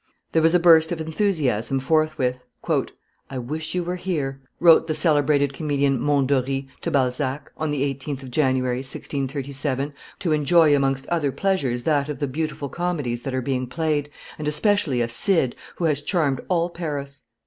There was a burst of enthusiasm forthwith. "I wish you were here," wrote the celebrated comedian Mondory to Balzac, on the 18th of January, 1637, "to enjoy amongst other pleasures that of the beautiful comedies that are being played, and especially a Cid who has charmed all Paris.